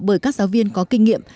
bởi các giáo viên có kinh nghiệm